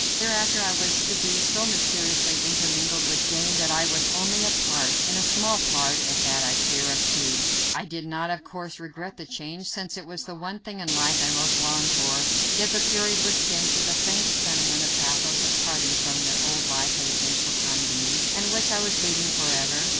Thereafter I was to be so mysteriously intermingled with Jane that I was only a part and a small part at that I fear of two. I did not, of course, regret the change, since it was the one thing in life I most longed for, yet the period was tinged with a faint sentiment of pathos at parting from the old life that had been so kind to me, and which I was leaving forever.